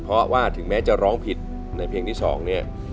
เพราะว่าถึงแม้จะร้องผิดในเพลงที่๒เนี่ย